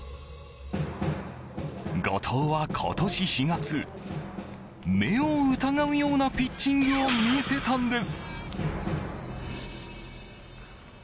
後藤は今年４月目を疑うようなピッチングを見せたんです。